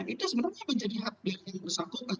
itu sebenarnya menjadi hak dari yang bersangkutan